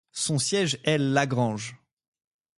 Son siège est LaGrange.